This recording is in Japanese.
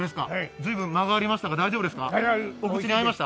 随分間がありましたが、大丈夫でした？